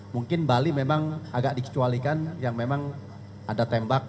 mungkin bali memang agak dikecualikan yang memang ada tembak